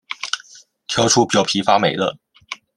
挑出表皮发霉的